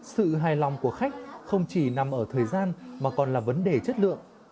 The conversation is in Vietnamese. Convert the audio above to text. sự hài lòng của khách không chỉ nằm ở thời gian mà còn là vấn đề chất lượng